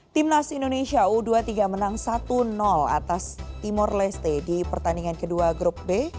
timnas indonesia u dua puluh tiga menang satu atas timor leste di pertandingan kedua grup b